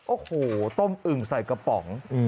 โอ้โหต้มอึ่งใส่กระป๋อง